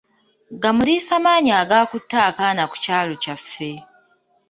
Gamuliisa maanyi agaakutte akaana ku kyalo kyaffe.